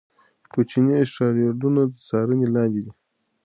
کوچني اسټروېډونه د څارنې لاندې دي.